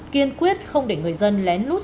kiên quyết không để người dân lén lút